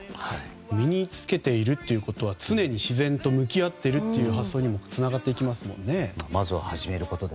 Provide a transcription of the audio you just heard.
身に着けているってことは常に自然と向き合うという発想にもつながっていきますもんね。